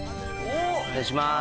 お願いします。